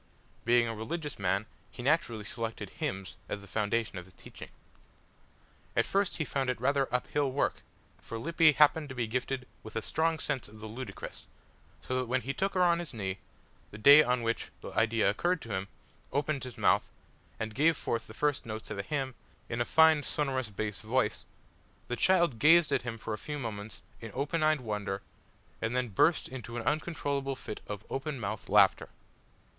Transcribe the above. Being a religious man he naturally selected hymns as the foundation of his teaching. At first he found it rather up hill work, for Lippy happened to be gifted with a strong sense of the ludicrous, so that when he took her on his knee the day on which the idea occurred to him opened his mouth, and gave forth the first notes of a hymn in a fine sonorous bass voice, the child gazed at him for a few moments in open eyed wonder, and then burst into an uncontrollable fit of open mouthed laughter.